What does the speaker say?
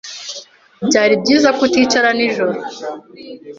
Byari byiza ko uticara nijoro.